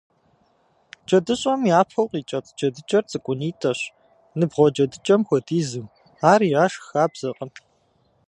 Джэдыщӏэм япэу къикӏэцӏ джэдыкӏэр цӏыкӏунитӏэщ, ныбгъуэ джэдыкӏэм хуэдизу, ар яшх хабзэкъым.